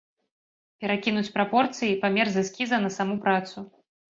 Перакінуць прапорцыі, памер з эскіза на саму працу.